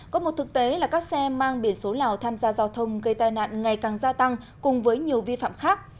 có một thực tế là các xe mang biển số lào tham gia giao thông gây tai nạn ngày càng gia tăng cùng với nhiều vi phạm khác